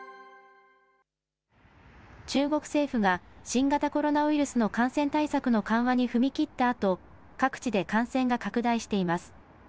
中国政府が新型コロナウイルスの感染対策の緩和に踏み切ったあと、各地で感染が拡大しています。